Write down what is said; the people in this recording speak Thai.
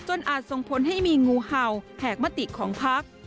อาจส่งผลให้มีงูเห่าแหกมติของพัก